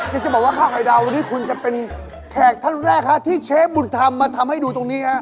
จะบอกว่าข้าวไอดาววันนี้คุณจะเป็นแขกท่านแรกฮะที่เชฟบุญธรรมมาทำให้ดูตรงนี้ฮะ